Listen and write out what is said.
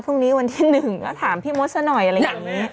พรุ่งนี้วันที่๑ก็ถามพี่มดซะหน่อยอะไรอย่างนี้